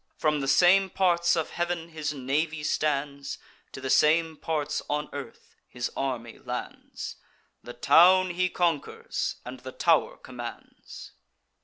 From the same parts of heav'n his navy stands, To the same parts on earth; his army lands; The town he conquers, and the tow'r commands."